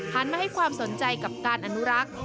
มาให้ความสนใจกับการอนุรักษ์